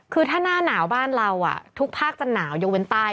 คือถ้าหน้าหนาวบ้านเราทุกภาคจะหนาวยกเว้นใต้